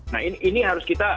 nah ini harus kita